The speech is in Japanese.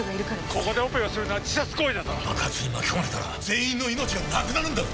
ここでオペをするのは自殺行為だぞ・爆発に巻き込まれたら全員の命がなくなるんだぞ・